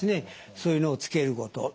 そういうのを付けること。